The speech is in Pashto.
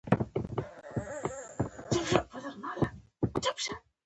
میندې باید د ماشوم وزن کنټرول کړي۔